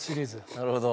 なるほど。